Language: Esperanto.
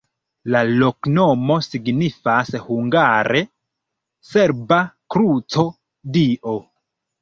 La loknomo signifas hungare: serba-kruco-Dio.